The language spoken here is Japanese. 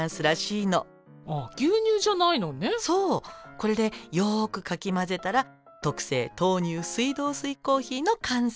これでよくかき混ぜたら特製豆乳水道水コーヒーの完成！